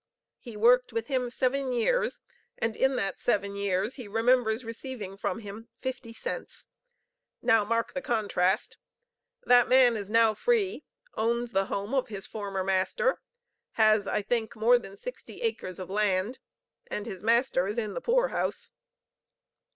He worked with him seven years; and in that seven years he remembers receiving from him fifty cents. Now mark the contrast! That man is now free, owns the home of his former master, has I think more than sixty acres of land, and his master is in the poor house.